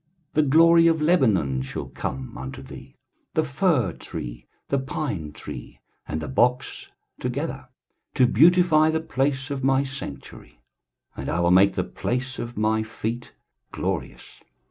23:060:013 The glory of Lebanon shall come unto thee, the fir tree, the pine tree, and the box together, to beautify the place of my sanctuary; and I will make the place of my feet glorious.